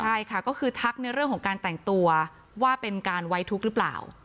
ใช่ค่ะก็คือทักในเรื่องของการแต่งตัวว่าเป็นการไว้ทุกข์หรือเปล่า